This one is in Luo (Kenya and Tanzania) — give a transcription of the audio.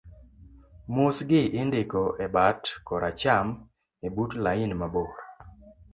mosgi indiko e bat koracham ebut lain mabor